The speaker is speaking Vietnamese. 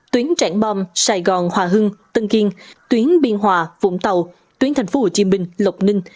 tuyến trảng bom sài gòn hòa hưng tân kiên tuyến biên hòa vũng tàu tuyến tp hcm lộc ninh